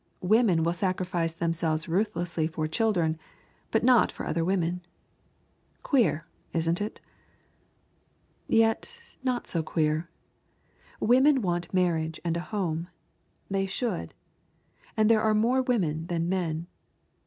Women will sacrifice themselves ruthlessly for children, but not for other women. Queer, isn't it? Yet not so queer. Women want marriage and a home. They should. And there are more women than men.